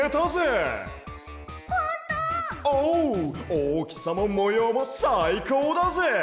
おおきさももようもさいこうだぜ！